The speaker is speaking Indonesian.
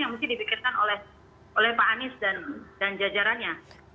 yang mesti dipikirkan oleh pak anies dan jajarannya